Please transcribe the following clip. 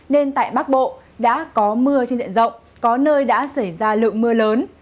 nên tại bắc bộ đã có mưa trên diện rộng có nơi đã xảy ra lượng mưa lớn